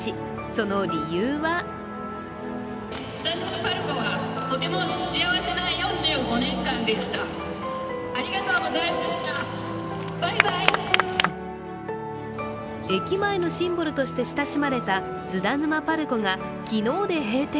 その理由は駅前のシンボルとして親しまれた津田沼パルコが昨日で閉店。